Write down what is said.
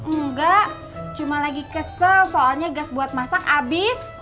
enggak cuma lagi kesel soalnya gas buat masak habis